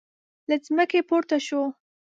له ځمکې پورته شو.